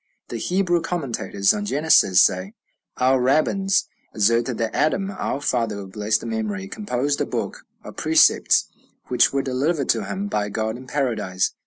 The Hebrew commentators on Genesis say, "Our rabbins assert that Adam, our father of blessed memory, composed a book of precepts, which were delivered to him by God in Paradise."